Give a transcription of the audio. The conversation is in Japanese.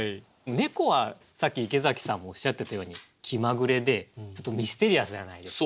猫はさっき池崎さんもおっしゃってたように気まぐれでちょっとミステリアスじゃないですか。